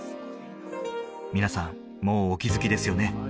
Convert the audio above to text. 皆さんもうお気づきですよね？